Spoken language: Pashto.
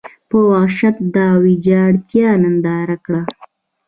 په وحشت دا ویجاړتیا ننداره کړه.